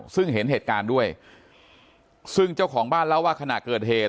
ซึ่งเห็นเหตุการณ์ด้วยซึ่งเจ้าของบ้านเล่าว่าขณะเกิดเหตุ